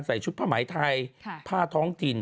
ชุดผ้าไหมไทยผ้าท้องถิ่น